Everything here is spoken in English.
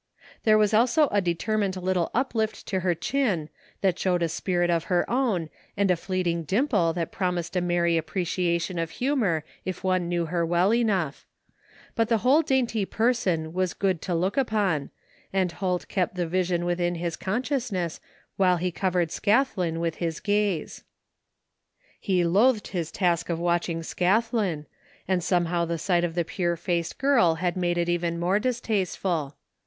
There was also a determined little uplift to her chin that showed a spirit of her own, and a fleeting dimple that promised a merry apprecia tion of humor if one knew her well enough; but the whole dainty person was good to look upon and Holt kept the vision within his consciousness while he cov ered Scathlin with his gaze. He loathed his task of watching Scathlin, and some how the sight of the pure faced girl had made it even more distasteful.